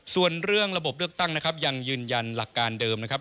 ส่วนเรื่องระบบเลือกตั้งนะครับยังยืนยันหลักการเดิมนะครับ